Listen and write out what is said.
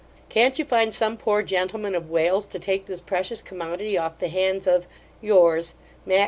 Can't you find some poor gentleman of Wales, to take this precious commodity off the hands of Yours, MATT.